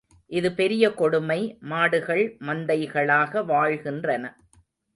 இது பெரிய கொடுமை, மாடுகள் மந்தைகளாக வாழ்கின்றன.